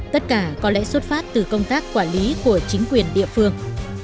tất cả có lẽ xuất phát từ công tác quản lý của chính quyền địa phương